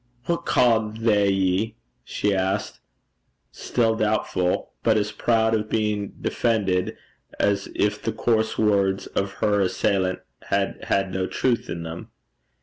'What ca' they ye?' she asked, still doubtful, but as proud of being defended as if the coarse words of her assailant had had no truth in them.